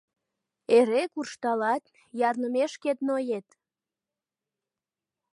Эре куржталат, ярнымешкет ноет.